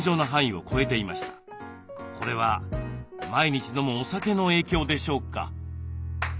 これは毎日飲むお酒の影響でしょうか？